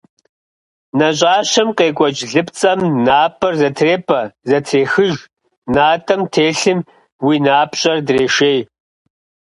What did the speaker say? Нэщӏащэм къекӏуэкӏ лыпцӏэм напӏэр зэтрепӏэ, зэтрехыж, натӏэм телъым уи напщӏэр дрешей.